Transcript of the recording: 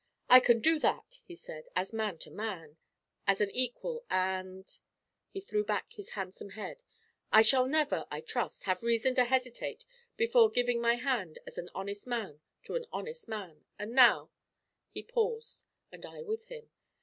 'I can do that,' he said, 'as man to man, as an equal, and' he threw back his handsome head 'I shall never, I trust, have reason to hesitate before giving my hand as an honest man to an honest man; and now ' He paused, and I with him.